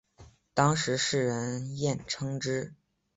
当时世人艳称之。